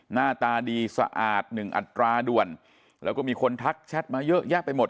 หน้าตาดีสะอาดหนึ่งอัตราด่วนแล้วก็มีคนทักแชทมาเยอะแยะไปหมด